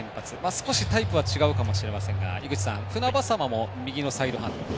少しタイプは違うかもしれませんが、船迫も右のサイドハンド。